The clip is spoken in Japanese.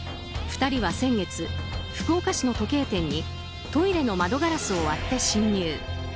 ２人は先月、福岡市の時計店にトイレの窓ガラスを割って侵入。